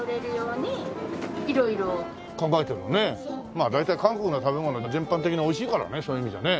まあ大体韓国の食べ物なんか全般的においしいからねそういう意味じゃね。